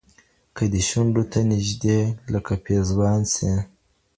که دي شونډو ته نژدې لکه پېزوان سي